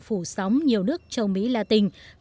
phủ sóng nhiều nước châu mỹ la tình